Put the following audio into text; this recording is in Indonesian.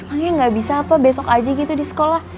akhirnya gak bisa apa besok aja gitu di sekolah